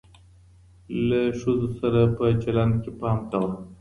له ښځو سره په چلند کي پام کوه.